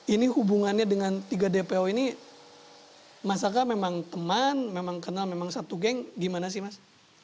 ini hubungannya dengan tiga dpo ini mas aka memang teman memang kenal memang satu geng gimana sih mas